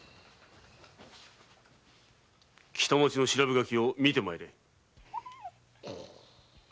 北町の調べ書きを見て参れ。